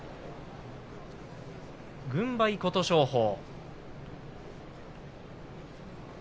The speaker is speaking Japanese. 軍配は、琴勝峰。